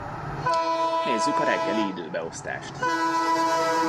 Nézzük a reggeli időbeosztást!